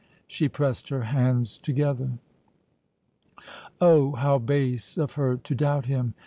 She pressed her hands together. Oh, how base of her to doubt him!